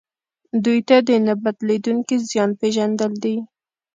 دوی ته د نه بدلیدونکي زیان پېژندل دي.